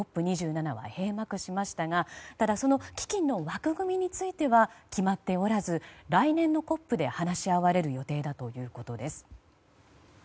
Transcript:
２７は閉幕しましたがただ、その基金の枠組みについては決まっておらず来年のＣＯＰで話し合われる予定だということです。